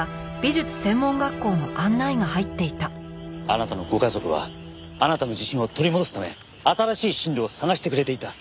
あなたのご家族はあなたの自信を取り戻すため新しい進路を探してくれていた。